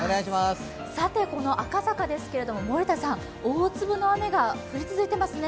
この赤坂ですけれども森田さん、大粒の雨が降り続いてますね。